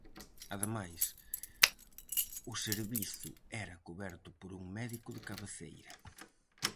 Ademais, o servizo era cuberto por un médico de cabeceira.